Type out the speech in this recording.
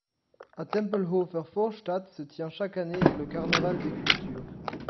À Tempelhofer Vorstadt se tient chaque année le Carnaval des Cultures.